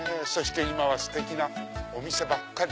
今はステキなお店ばっかり。